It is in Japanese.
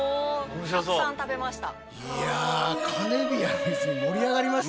たくさん食べました。